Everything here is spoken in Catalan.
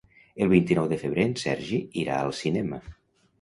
El vint-i-nou de febrer en Sergi irà al cinema.